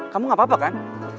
kamu gak apa apa kan